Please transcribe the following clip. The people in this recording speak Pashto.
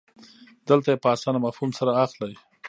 دلته یې په اسانه مفهوم سره اخلئ.